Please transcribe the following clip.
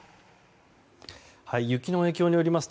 雪の影響によります